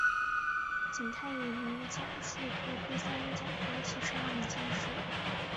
景泰五年甲戌科第三甲第七十二名进士。